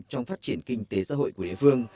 trong phát triển kinh tế xã hội của địa phương